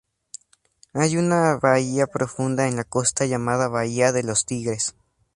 Hay una bahía profunda en la costa llamada Bahía de los Tigres.